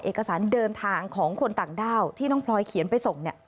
เอกสารเดินทางของคนต่างด้าวที่น้องพลอยเขียนไปส่งเนี่ย